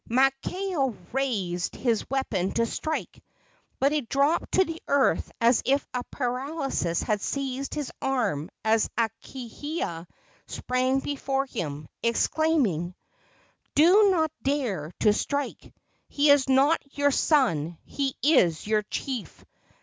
Maakao raised his weapon to strike, but it dropped to the earth as if a paralysis had seized his arm as Akahia sprang before him, exclaiming: "Do not dare to strike! He is not your son; he is your chief!